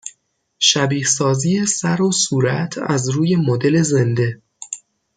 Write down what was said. شبیه سازی سر و صورت از روی مدل زنده